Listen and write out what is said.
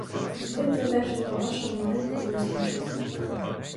Сьогодні одержала вашого маленького листочка.